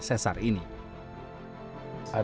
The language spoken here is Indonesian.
ketika bergerakan sesar ini